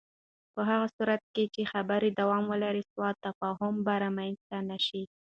په هغه صورت کې چې خبرې دوام ولري، سوء تفاهم به رامنځته نه شي.